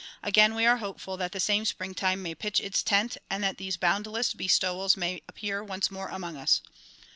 Again we are hopeful that the same springtime may pitch its tent and that these boundless bestowals may appear once more among us.